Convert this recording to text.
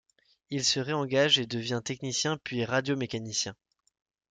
Il se réengage et devient technicien puis radio mécanicien.